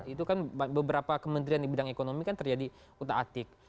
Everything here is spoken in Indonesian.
itu kan beberapa kementerian di bidang ekonomi kan terjadi uta atik